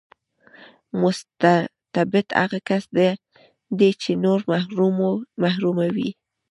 مستبد هغه کس دی چې نور محروموي.